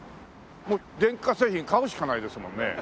電化製品買うしかないですもんね。